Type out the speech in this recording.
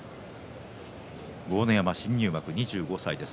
豪ノ山は新入幕２５歳です。